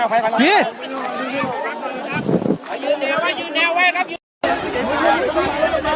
พาหมุนกายเย็นนะป้ากำลังช่วยอยู่ครับมุมธิที่นี่ค่ะคนดีดูแลป้า